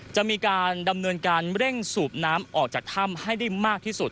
จะมีการดำเนินการเร่งสูบน้ำออกจากถ้ำให้ได้มากที่สุด